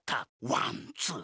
ワンツー。